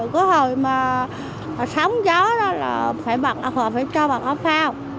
có hồi mà sóng gió đó là phải bật áo phao phải cho bật áo phao